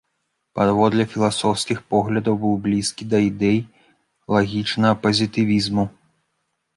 Паводле філасофскіх поглядаў быў блізкі да ідэй лагічнага пазітывізму.